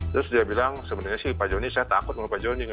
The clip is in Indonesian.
terus dia bilang sebenarnya sih pak joni saya takut sama pak joni